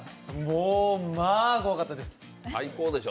もう、まあ怖かったです。